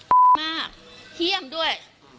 เฮี้ยบมากเหี้ยมด้วย